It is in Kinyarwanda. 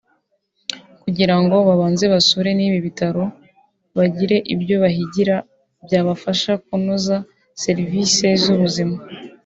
kugira ngo babanze basure n’ibi bitaro bagire ibyo bahigira byabafasha kunoza serivisi z’ubuzima